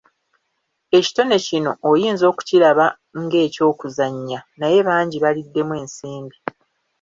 Ekitone kino oyinza okukiraba ng'eky'okuzannya naye bangi baliddemu ensimbi!